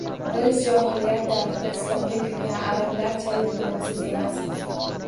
Biz johiliyat davrida islomga kirgan arablarchalik bilimsiz emasmiz